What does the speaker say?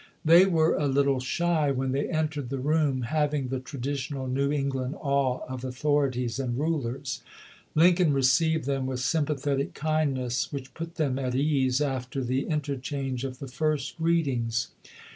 They were a little shy when they entered the room — having the traditional New England awe of authorities and rulers. Lincoln received them with s^nnpathetic kindness which put them at ease after the inter WASHINGTON IN DANGER 153 change of the first greetings.